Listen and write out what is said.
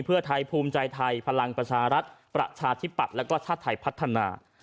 เพื่อไทยภูมิใจไทยพลังประชารัฐประชาธิปัตย์แล้วก็ชาติไทยพัฒนา